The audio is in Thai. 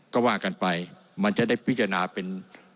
ก็ว่ากันไปมันจะได้พิจารณาเป็น